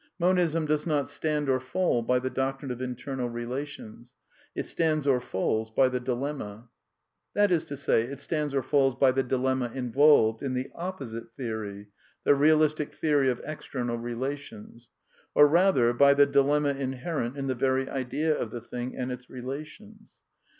Monism does not stand or fall by^*^ the doctrine of internal relations. It s tands or falls by the v/^ dile mma^ ^xiat is to say, it stands or falls by the dilemma involved . in the opposite theory, the realistic theory of external rela 1 tions ; or rather, by the dilemma inherent in the very idea I of the thing and its relations.